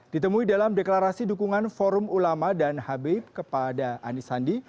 ditemui dalam deklarasi dukungan forum ulama dan habib kepada anies sandi